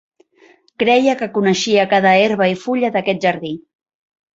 Creia que coneixia cada herba i fulla d'aquest jardí.